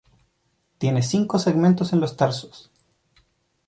Tiene cinco segmentos en los tarsos.